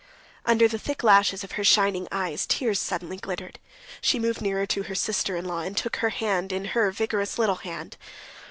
Under the thick lashes of her shining eyes tears suddenly glittered. She moved nearer to her sister in law and took her hand in her vigorous little hand.